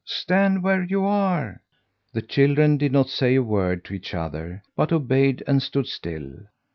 Stand where you are!" The children did not say a word to each other, but obeyed and stood still.